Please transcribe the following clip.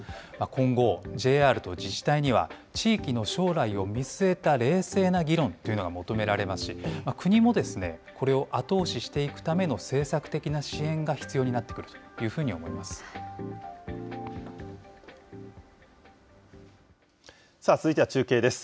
今後、ＪＲと自治体には、地域の将来を見据えた冷静な議論というのが求められますし、国もこれを後押ししていくための政策的な支援が必要になってくる続いては中継です。